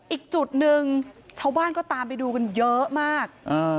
อีกจุดหนึ่งชาวบ้านก็ตามไปดูกันเยอะมาก